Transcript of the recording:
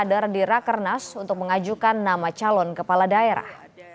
kader di rakernas untuk mengajukan nama calon kepala daerah